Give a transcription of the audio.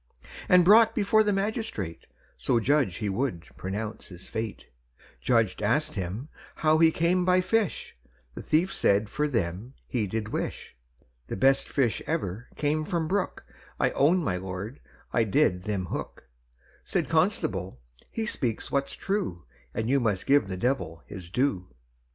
And brought before the magistrate, So judge he would pronounce his fate, Judge asked him how he came by fish, The thief said for them he did wish, The best fish ever came from brook, I own, my Lord, I did them hook, Said constable, he speaks what's true, And you must give the devil his due.